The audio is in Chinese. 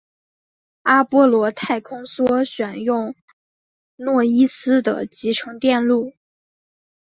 阿波罗太空梭选用诺伊斯的集成电路。